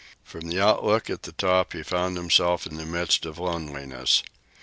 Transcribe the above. From the outlook at the top he found himself in the midst of loneliness.